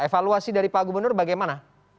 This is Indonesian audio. evaluasi dari pak gubernur bagaimana